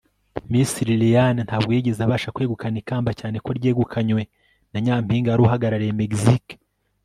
miss liliane ntabwo yigeze abasha kwegukana ikamba cyane ko ryegukanywe na nyampinga wari uhagarariye mexique